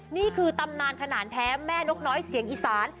นี่คือตำนานขนาดแท้แม่นกน้อยเสียงอีสาน